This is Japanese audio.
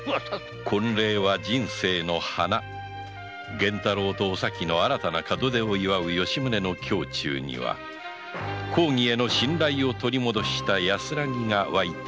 源太郎とお咲の新たな門出を祝う吉宗の胸中には公儀への信頼を取り戻した安らぎが湧いていた